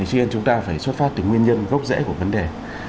thì chúng ta phải xuất phát từ nguyên nhân gốc rẽ của vấn đề